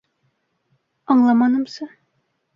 Аңламанымсы...